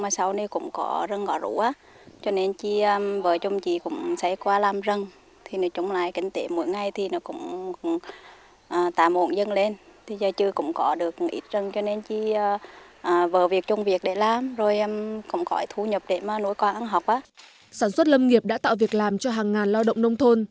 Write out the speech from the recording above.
sản xuất lâm nghiệp đã tạo việc làm cho hàng ngàn lao động nông thôn